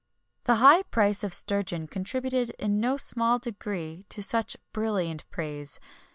[XXI 32] The high price of the sturgeon contributed in no small degree to such brilliant praise.